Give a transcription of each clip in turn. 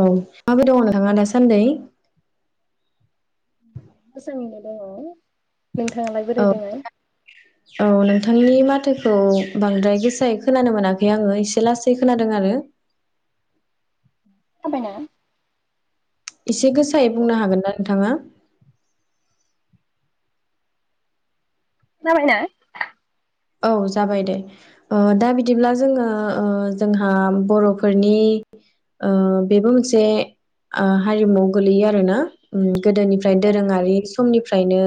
औ माबोरै दं नोंथाङा दासानदै? मोजाङैनो दङ। नोंथाङालाय बोरोय दोङो? थांनि माथोखौ बांद्राय गोसायै खोनानो मोनाखै आङो एसे लासै खोनादों आरो। खोनाबायना? एसे गोसायै बुंनो हागोन ना नोंथाङा? जाबाय ना? औ जाबाय दे। ओ दा बिदिब्ला जोङो ओ जोंहा बर'फोरनि ओ बेबो मोनसे ओ हारिमुआव गोलैयो आरोना गोदोनिफ्राय दोरोङारि समनिफ्रायनो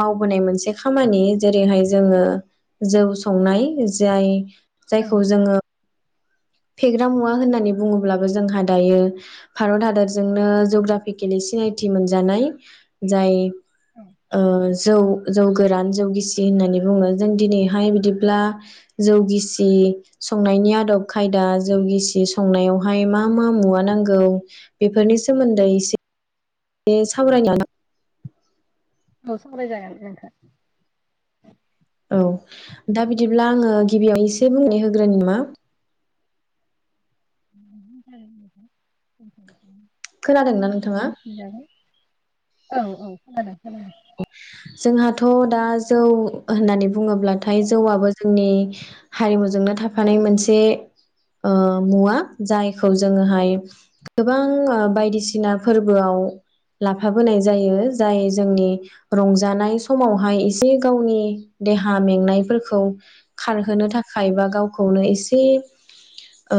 मावबोनाय मोनसे खामानि जेरैहाय जोङो जौ संनाय जाय जायखौ जोङो फेग्रा मुवा होननानै बुङोब्लाबो जोंहा दायो भारत हादरजोंनो जुग्राफिकेलि सिनायथि मोनजानाय जाय ओ जौ। जौ गोरान जौ गिसि होननानै बुङो जों दिनैहाय बिदिब्ला जौ गिसि संनायनि आदब खायदा जौ गिसि संनायावहाय मा मा मुवा नांगौ बेफोरनि सोमोनदै एसे बे सावराय नायाव औ सावराय जागोन नोंथां ओ दा बिदिब्ला आङो गिबियाव एसे बुंनो होगो ग्रोनि ना [unintelligible] खोनादोंना एसे नोंथाङा? मोनथिजागोन औ औ खोनादों। खोनादों जोंहाथ' दा जौ होननानै बुङोब्लाथाय औ जौआबो जोंनि हारिमुजोंनो थाफानाय मोनसे ओ मुवा जायखौ जोङोहाय गोबां बायदिसिना फोरबोआव लाफाबोनाय जायो जाय जोंनि रंजानाय समावहाय एसे गावनि देहा मेंनायफोरखौ औ खारहोनो थाखाय बा गाव खौनो एसे ओ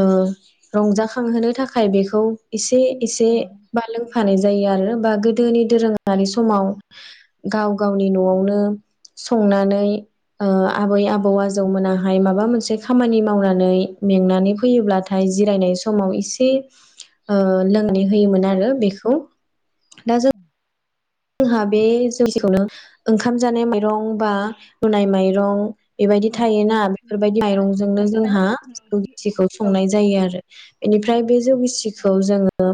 रंजाखांहोनो थाखाय बेखौ एस ए एसे औ बा लोंफानाय जायो आरो बा गो दोनि दोरों दानि समाव गाव गावनि न'आवनो संनानै ओ आबै आबौ आजौ मोनाहाय माब माबा मोनसे खामानि मावनानै मेंनानै फैयोब्लाथाय जिरायनाय समाव एसे ओ लोंनो होयोमोन आरो बेखौ दा जों जोंहा बे जौसेखौनो ओंखाम जानाय माइरं बा रुनाय माइरं बेबायदि औ थायोना बेफोरबायदि होनबा माइरंजोंनो नोंथां जोंहा जौ गिसिखौ औ संनाय जायो आरो बेनिफ्राय बे जौगिसिखौ जोङो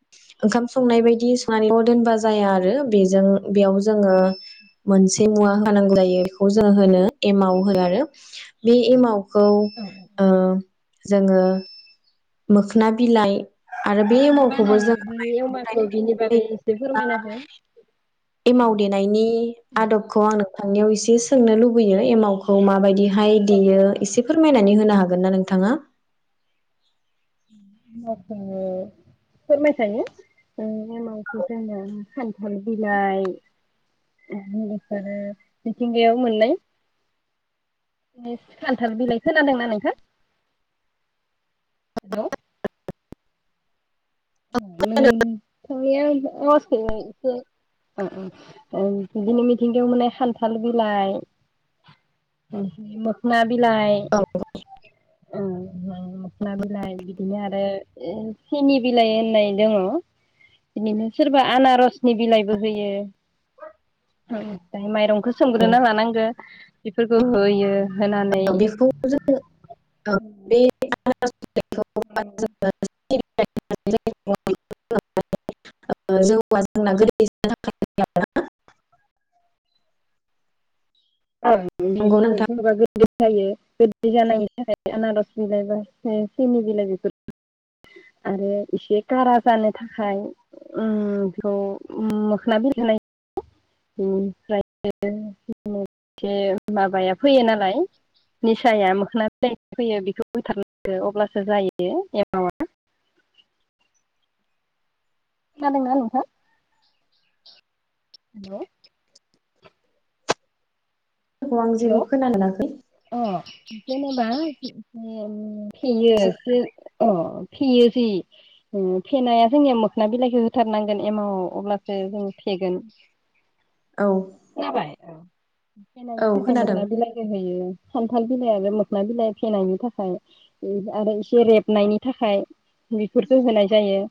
[inaudible] ओंखाम संनाय बायदि संनानैल दोनबा जाया औ आरो बेजों बेयाव जोङो मोनसे मुवा होनांगौ जायो बेखौ जोङो होनो एमाव हो आरो बे एमाव खौ औ ओ जोङो मोखोना बिलाइ आरो बे माबायदि एमावखौबो बानायो जों ओमफ्राय एमावखौ बिनि बागै एसे फोरमायना हो एमाव देनायनि आदबखौ आं नोंथांनियाव एसे सोंनो लुबैयो [unintelligible] एमावखौ माबायदि हाय देयो एसे फोरमायनानै होनो हागोन ना नोंथाङा? [unintelligible] फोरमायखायो एमावखौ जोंनिया खान्थाल बिलाइ बेनिफ्राय मिथिंगायाव मोननाय खान्थाल बिलाइ खोनादोंना नोंथां? हेल' नों खोनाया आवाजखौनो एसे आ आ ओ बिदिनो मिथिंगायाव मोननाय खान्थाल बिलाइ मोखोना बिलाइ औ ओं, ओ मोखना बिलाइ बिदिनो आरो सिनि बिलाइ होननाय दङ बिदिनो सोरबा आनारसनि बिलाइबो होयो माइरं खौ सोमग्रोना औ लानांगो बेफोरखौ होयो होनानै बेखौ [unintelligible] बिलाइखौ होबा जोङो [unintelligible] जौआ जोंना गैदै जानो थाखाय होयो आरोना [unintelligible] नंगौ नोंथां जेनेबा गो [unintelligible] जायो गोदै जानायनि थाखाय आनारस बिलाइ बा सिनि बिलाइ बेफोर आरो एसे कारा जानो थाखाय उम बेखौ मोखोना बिलाइ होनाय जायो बिनिफ्राय एसे माबाया फैयो नालाय निसाया मोखोना बिलाइ होयो बेखौ होथारनो अब्लासो जायो एमावा। खोनादों ना नोंथां? [inaudible] हेल' खौ आं हेल' जेबो हेल' खोनानो मोनाखै। अ' जेने बा उम फेयोसो अ' फेयोसै फेनाया जोंनिया मोखोना बिलाइखौ होथारनांगोन एमाव अब्लासो जों फेगोन। औ। खोनाबाय औ औ फेनायनि थाखाय खोनादों मोखना बिलाइखो होयो। खान्थाल बिलाइ बे मोखना बिलाइ फेनायनि थाखाय आरो इसे रेबनायनि थाखाय बेफोरखौ होनाय जायो।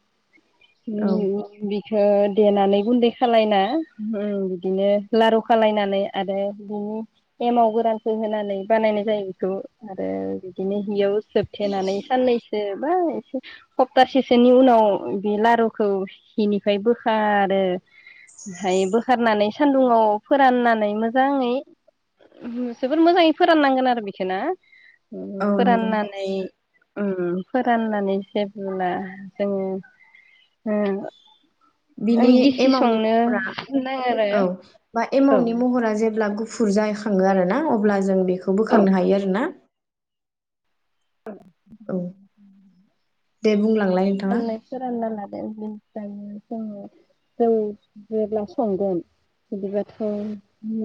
औ उम बिखो देनानै गुन्दै खालायना उम बिदिनो लारु खालायनानै आरो बिनि एमाव गोरानखौ होनानै बानायनाय जायो बेखौ आरो बिदिनो हियाव जोबथेनानै साननैसो बा सप्तासेसोनि उनाव बे लारुखौ हिनिफ्राय बोखारो ओमफ्राय बोखारनानै सानदुंङाव फोराननानै मोजाङै जोबोद मोजाङै फोराननांगोन आरो बेखौना। उम औ नंगौ फोराननानै उम फोराननानै जेब्ला जोङो हो बिनि एमावनि महरा नाङा आरो औ बा औ एमावनि महरा जेब्ला गुफुर जायखा खांङो आरो ना अब्ला जों बे खौ औ बोखांनो हायो आरोना [unintelligible] दे बुंलांलाय नोंथाङा दायो जोङो जौ जेब्ला संगोन बिदिबाथ'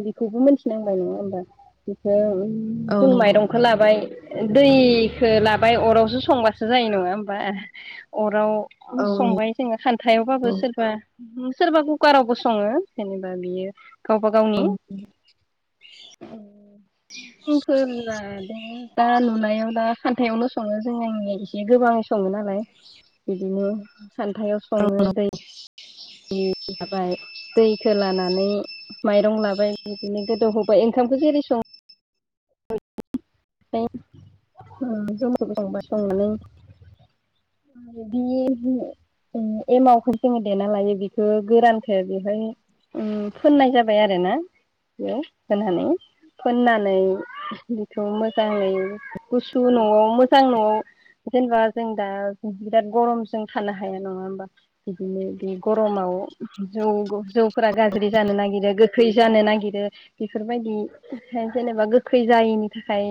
बेखौबो मिथिनांबाय नङा होमबा बेखौ औ जों नंगौ माइरंखौ लाबाय दै खो लाबाय अरावसो संबासो जायो नङा होमबा अराव औ नंगौ संबाय जोङो खान्थायावबाबो सोरबा सोरबा कुकारावबो सङो जेनेबा बियो गावबा गावनि औ जोंफोरा दे दा नुनायाव ला खान्थायावनो सङो जों आंनि एसे गोबाङै सङो ना लाय बिदिनो खान्थायाव औ सङो औ। दै दै लाबाय दैखौ लानानै माइरं लाबाय बिदिनो गोदौहोबाय ओंखामखौ जेरै सं [inaudible] बे एमावखौ जोङो देना लायो बिखौ गोरानखो बेवहाय उम फोननाय जाबाय आरो ना बेयो होनानै फोननानै बेखौ मोजाङै गुसु न'आव मोजां न'आव जेनेबा जों दा बिराद गरमजों थानो हाया नङा होमबा बिदिनो बे गरमाव जौ जौफोरा गाज्रि जानो नागिरो गोखै जानो नागिरो बेफोरबायदि जेनेबा गोखै जायैनि थाखाय